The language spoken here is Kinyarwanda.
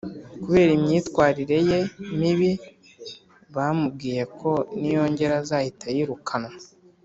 kubera imyitwarire ye mibi bamubwiye ko niyongera azahita yirukanwa